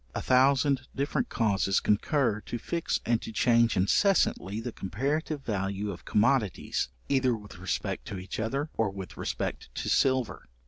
A thousand different causes concur, to fix and to change incessantly the comparative value of commodities, either with respect to each other, or with respect to silver.